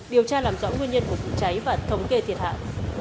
điều tra làm rõ nguyên nhân của vụ cháy và thống kê thiệt hại